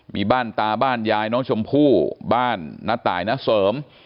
มีบ้านตาบ้านยายน้องชมพู่บ้านณตายณเสริม